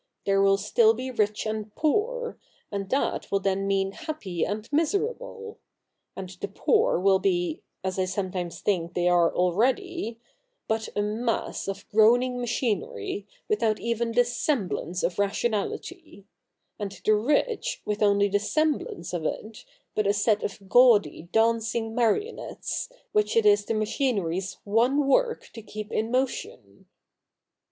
There will still be rich and poor ; and that will then mean happy and miserable ; and the poor will be — as I some times think they are already — but a mass of groaning machinery, without even the semblance of rationality ; and the rich, with only the semblance of it, but a set of gaudy, dancing marionettes, which it is the machinery's one work to keep in motion.